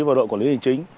và đội quản lý hình chính